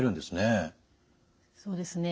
そうですね。